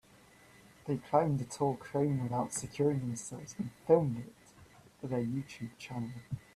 They climbed a tall crane without securing themselves and filmed it for their YouTube channel.